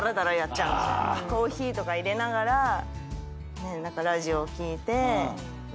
コーヒーとか入れながらラジオを聴いて。